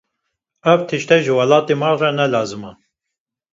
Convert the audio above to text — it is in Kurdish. Ev tişt ji welatê me re ne lazim e.